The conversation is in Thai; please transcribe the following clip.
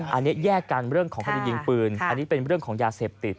อันนี้แยกกันเรื่องของคดียิงปืนอันนี้เป็นเรื่องของยาเสพติด